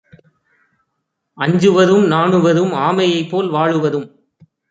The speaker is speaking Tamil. அஞ்சுவதும் நாணுவதும் ஆமையைப்போல் வாழுவதும்